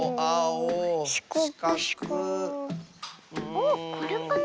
あっこれかな？